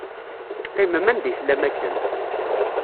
Qqimem anda i tellam akken.